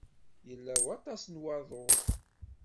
Yella waṭas n waḍu.